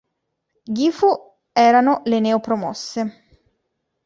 Gifu erano le neopromosse.